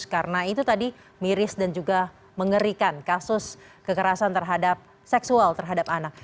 karena itu tadi miris dan juga mengerikan kasus kekerasan terhadap seksual terhadap anak